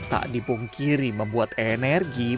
tak dipungkiri membuat energi